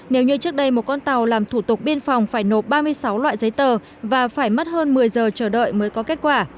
nếu như trước đây một con tàu làm thủ tục biên phòng phải nộp ba mươi sáu loại giấy tờ và phải mất hơn một mươi giờ chờ đợi mới có kết quả